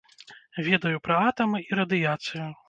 Ведаю пра атамы і радыяцыю.